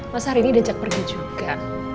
mas harini udah ajak pergi juga